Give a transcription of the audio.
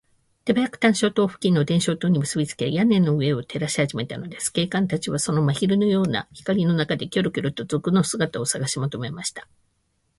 手早く探照燈を付近の電燈線にむすびつけ、屋根の上を照らしはじめたのです。警官たちは、その真昼のような光の中で、キョロキョロと賊の姿をさがしもとめました。